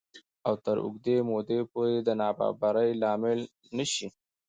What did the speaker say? او تر اوږدې مودې پورې د نابرابرۍ لامل نه شي